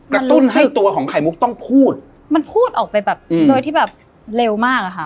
กระตุ้นให้ตัวของไข่มุกต้องพูดมันพูดออกไปแบบอืมโดยที่แบบเร็วมากอะค่ะ